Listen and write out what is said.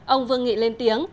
ông vương nghị lên tiếng